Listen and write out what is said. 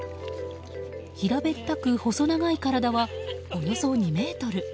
平べったく細長い体はおよそ２ｍ。